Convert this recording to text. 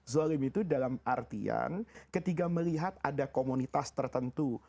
zolim itu dalam artian ketika melihat ada komunitas tertentu